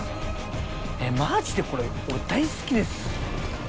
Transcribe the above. えっマジでこれ俺大好きです。